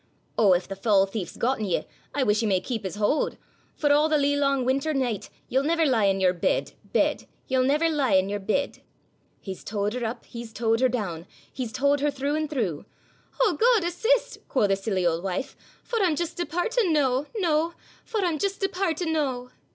'O! if the foul thief's gotten ye, I wish he may keep his haud; For a' the lee lang winter nicht, Ye'll never lie in your bed, bed; Ye'll never lie in your bed.' He's towed her up, he's towed her down, He's towed her through an' through; 'O, Gude! assist,' quo' the silly auld wife, 'For I'm just departin' noo, noo; For I'm just departin' noo.